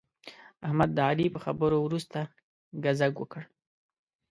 احمد د علي په خبرو ورسته ګذک وکړ.